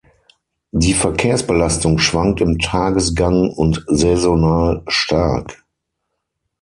Die Verkehrsbelastung schwankt im Tagesgang und saisonal stark.